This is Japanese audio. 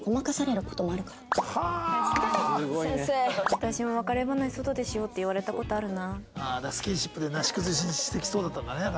私も別れ話外でしようって言われた事あるな。